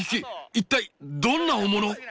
一体どんな大物？